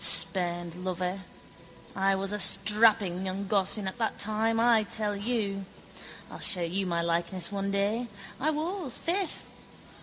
Spurned lover. I was a strapping young gossoon at that time, I tell you. I'll show you my likeness one day. I was, faith.